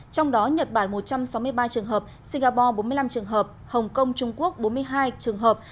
trong đó nhật bản một trăm sáu mươi ba trường hợp singapore bốn mươi năm trường hợp hồng kông trung quốc bốn mươi hai trường hợp